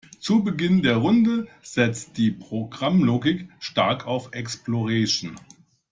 Zu Beginn der Runde setzt die Programmlogik stark auf Exploration.